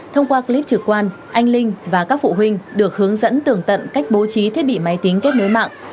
thông qua clip trực quan anh linh và các phụ huynh được hướng dẫn tường tận cách bố trí thiết bị máy tính kết nối mạng